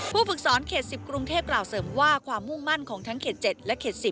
ผู้ฝึกสอนเขต๑๐กรุงเทพฯกล่าวเสริมว่าความมุ่นมั่น๗๐และ๕๐